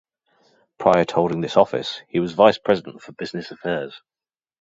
Prior to holding this office, he was Vice President for Business Affairs.